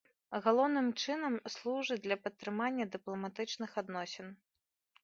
Галоўным чынам, служыць для падтрымання дыпламатычных адносін.